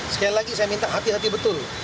sekali lagi saya minta hati hati betul